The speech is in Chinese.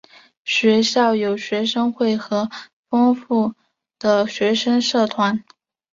学校有学生会和丰富的学生社团。